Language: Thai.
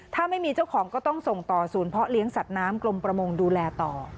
ถ้าไม่มีเจ้าของก็ต้องส่งต่อศูนย์เพาะเลี้ยงสัตว์น้ำกลมประมงดูแลต่อ